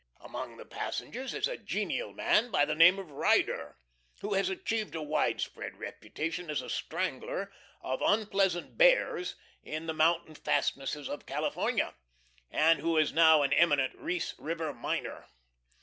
Among the passengers is a genial man of the name of Ryder, who has achieved a widespread reputation as a strangler of unpleasant bears in the mountain fastnesses of California, and who is now an eminent Reese River miner.